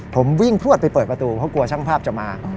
ผมวิ่งพลวดไปเปิดประตูเพราะกลัวช่างภาพจะมา